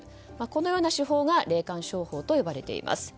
このような手法が霊感商法と呼ばれています。